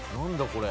これ。